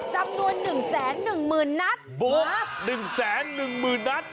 จำนวน๑แสน๑๐๐๐๐นัตร